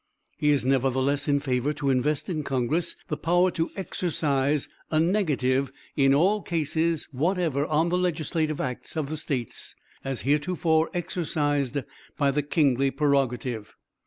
He is nevertheless in favor to invest in congress the power to exercise 'a negative in all cases whatever on the legislative acts of the States, as heretofore exercised by the kingly prerogative.'